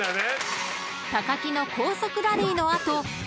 ［木の高速ラリーの後咲ちゃん